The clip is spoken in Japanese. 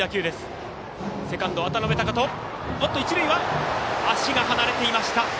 一塁は足が離れていました。